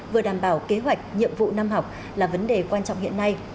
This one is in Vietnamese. vừa đảm bảo kế hoạch nhiệm vụ năm học là vấn đề quan trọng hiện nay